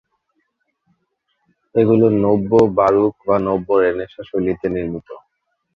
এগুলো নব্য-বারুক বা নব্য-রেনেসাঁ শৈলীতে নির্মিত।